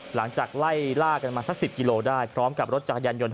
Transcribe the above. หลังจากไล่ล่ากันมาสัก๑๐กิโลได้พร้อมกับรถจักรยานยนต์